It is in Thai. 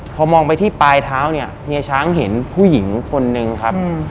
พอมองไปที่ปลายเท้าเนี่ยเฮียช้างเห็นผู้หญิงคนนึงครับ